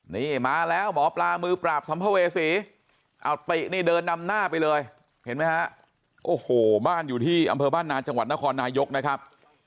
นี่มาแล้วหมอปลามือปราบสัมภเวษีเอาตินี่เดินนำหน้าไปเลยเห็นไหมฮะโอ้โหบ้านอยู่ที่อำเภอบ้านนาจังหวัดนครนายกนะครับ